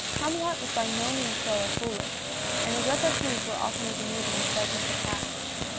Chamulot was by no means dull or foolish, and his repartees were often as amusing as Beslin's attacks.